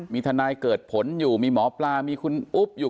มีทนายเกิดผลอยู่มีหมอปลามีคุณอุ๊บอยู่